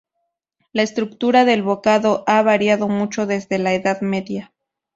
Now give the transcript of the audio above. La estructura del bocado ha variado mucho desde la Edad Media.